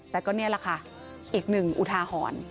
แต่ก็นี่แหละค่ะอีกหนึ่งอุทาหรณ์